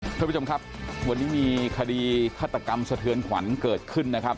ท่านผู้ชมครับวันนี้มีคดีฆาตกรรมสะเทือนขวัญเกิดขึ้นนะครับ